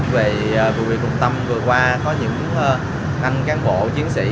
về vụ việc trung tâm vừa qua có những anh cán bộ chiến sĩ